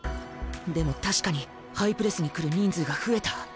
でも確かにハイプレスに来る人数が増えた。